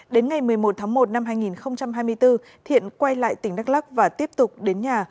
đến ngày một mươi một tháng một năm hai nghìn hai mươi bốn thiện quay lại tỉnh đắk lắc và tiếp tục đến nhà